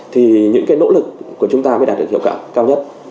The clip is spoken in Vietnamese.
thì những cái nỗ lực của chúng ta mới đạt được hiệu quả cao nhất